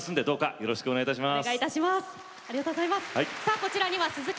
よろしくお願いします。